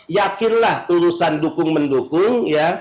yakirlah urusan dukung mendukung